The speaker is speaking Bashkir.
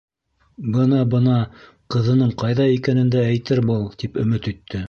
Бына-бына ҡыҙының ҡайҙа икәнен дә әйтер был, тип, өмөт итте.